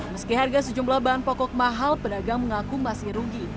meski harga sejumlah bahan pokok mahal pedagang mengaku masih rugi